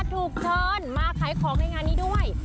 ถูกเชิญมาขายของในงานนี้ด้วย